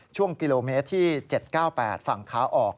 ช่วงกิโลเมตรที่๗๙๘ฝั่งขาออก